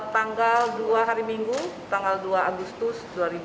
tanggal dua hari minggu tanggal dua agustus dua ribu dua puluh